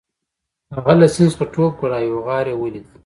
هغه له سیند څخه ټوپ کړ او یو غار یې ولید